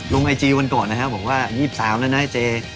ลงไอจีวันก่อนนะครับผมว่า๒๓แล้วนะเจ๊